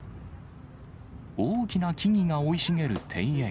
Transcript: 大きな木々が生い茂る庭園。